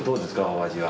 お味は。